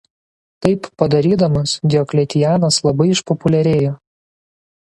Taip padarydamas Diokletianas labai išpopuliarėjo.